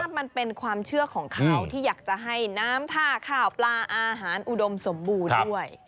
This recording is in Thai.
มันเป็นความเชื่อของเขาที่อยากจะให้น้ำท่าข้าวปลาอาหารอุดมสมบูรณ์ด้วย